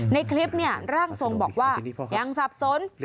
ในคลิปเนี่ยร่างทรงบอกว่ายังสับสน